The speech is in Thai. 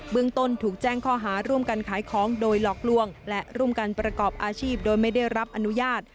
เมืองต้นถูกแจ้งข้อหาร่วมกันขายของโดยหลอกลวงและร่วมกันประกอบอาชีพโดยไม่ได้รับอนุญาต